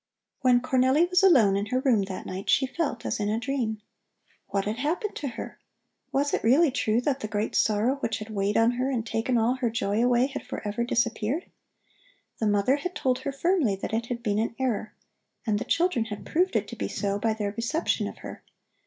When Cornelli was alone in her room that night, she felt as in a dream. What had happened to her? Was it really true that the great sorrow which had weighed on her and had taken all her joy away had forever disappeared? The mother had told her firmly that it had been an error, and the children had proved it to be so by their reception of her.